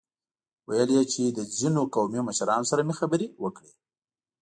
ويل يې چې له ځينو قومي مشرانو سره مې خبرې وکړې.